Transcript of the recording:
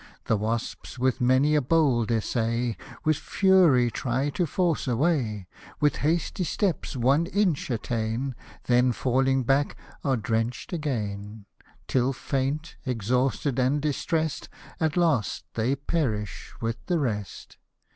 The wasps with many a bold essay, With fury try to force a way ; With hasty steps one inch attain, Then falling back are drench'd again ; Till faint, exhausted, and distrest, At last, they perish with the rest.